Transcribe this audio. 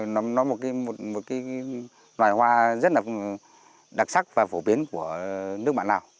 nó một loài hoa rất là đặc sắc và phổ biến của nước bạn lào